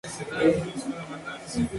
Se planta todo el año, regando bien.